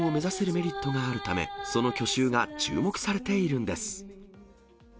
メリットがあるため、その去就が注目されているんです。